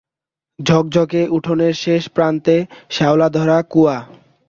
ঝকঝকে উঠোনের শেষ প্রান্তে শ্যাওলা-ধরা কুয়া।